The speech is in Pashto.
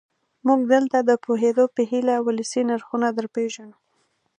موږ دلته د پوهېدو په هیله ولسي نرخونه درپېژنو.